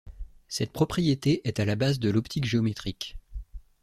Cette propriété est à la base de l'optique géométrique.